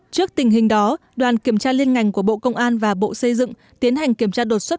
trước tình hình đó đoàn kiểm tra liên ngành của bộ công an và bộ xây dựng tiến hành kiểm tra đột xuất